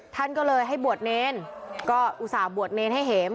ท่านก็เลยให้บวชเนรก็อุตส่าห์บวชเนรให้เห็ม